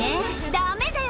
ダメだよ